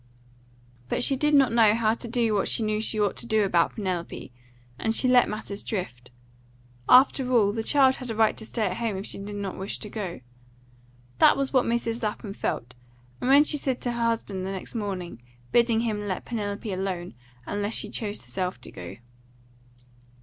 But she did not know how to do what she knew she ought to do about Penelope, and she let matters drift. After all, the child had a right to stay at home if she did not wish to go. That was what Mrs. Lapham felt, and what she said to her husband next morning, bidding him let Penelope alone, unless she chose herself to go.